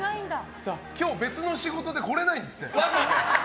今日、別の仕事で来れないんですって。